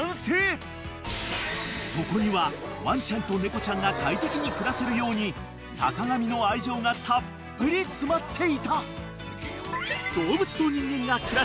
［そこにはワンちゃんと猫ちゃんが快適に暮らせるように坂上の愛情がたっぷり詰まっていた］